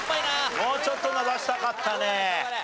もうちょっと伸ばしたかったね。